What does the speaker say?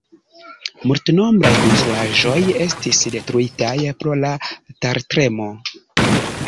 Multnombraj konstruaĵoj estis detruitaj pro la tertremo.